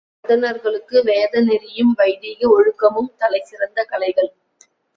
அந்தணர்களுக்கு வேத நெறியும் வைதீக ஒழுக்கமுமே தலை சிறந்த கலைகள்.